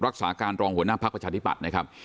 รักษาการรองหัวหน้าภักดิ์ประชาธิปัตย์นะครับ